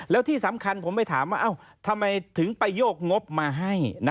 แล้วที่สำคัญผมไปถามว่าทำไมถึงไปโยกงบมาให้